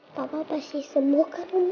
papa pasti semuk kan mama